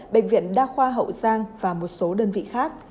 bệnh viện đa khoa hậu giang và một số đơn vị khác